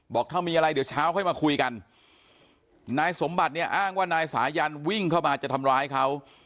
บอกถ้ามีอะไรเดี๋ยวเช้าค่อยมาคุยกันนายสมบัติเนี่ยอ้างว่านายสายันวิ่งเข้ามาจะทำร้ายเขา